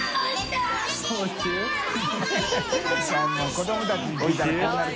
子どもたちに聞いたらこうなる。